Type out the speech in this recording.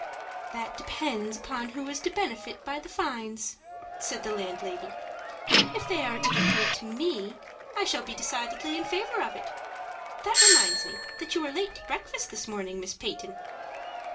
"That depends upon who is to benefit by the fines," said the landlady. "If they are to be paid to me, I shall be decidedly in favor of it. That reminds me that you were late to breakfast this morning, Miss Peyton."